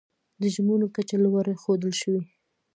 د جرمونو کچه لوړه ښودل شوې.